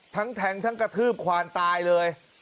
ทั้งแทงทั้งกระทืบควานตายเลย